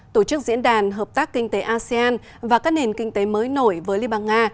tổ chức diễn đàn hợp tác kinh tế asean và các nền kinh tế mới nổi với liên bang nga